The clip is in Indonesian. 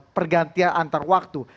pergantian antar waktu